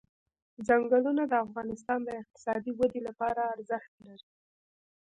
ځنګلونه د افغانستان د اقتصادي ودې لپاره ارزښت لري.